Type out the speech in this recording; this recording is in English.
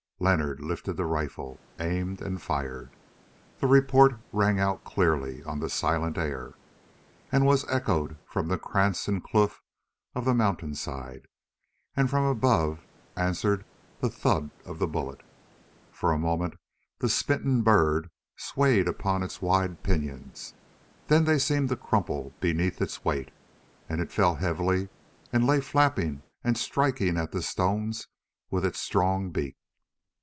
Leonard lifted the rifle, aimed and fired. The report rang out clearly on the silent air, and was echoed from krantz and kloof and mountain side, and from above answered the thud of the bullet. For a moment the smitten bird swayed upon its wide pinions, then they seemed to crumple beneath its weight, and it fell heavily and lay flapping and striking at the stones with its strong beak.